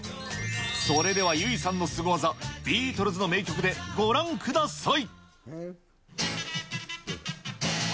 それでは油井さんのスゴ技、ビートルズの名曲でご覧ください。